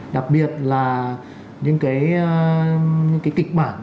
đặc biệt là những cái kịch bản